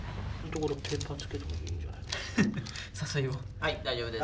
はい大丈夫です。